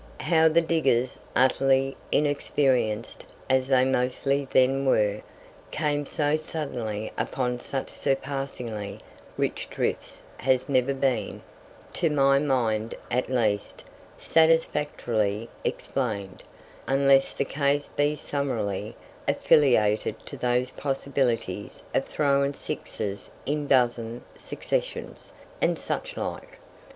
How the diggers, utterly inexperienced as they mostly then were, came so suddenly upon such surpassingly rich drifts has never been, to my mind at least, satisfactorily explained, unless the case be summarily affiliated to those possibilities of throwing "sixes" in dozen successions, and such like.